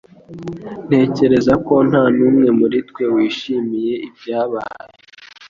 Ntekereza ko nta n'umwe muri twe wishimiye ibyabaye